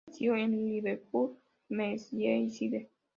Nació en Liverpool, Merseyside.